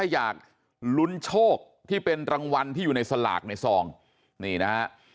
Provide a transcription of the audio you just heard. อยากลุ้นโชคที่เป็นรางวัลที่อยู่ในสลากในซองนี่นะฮะ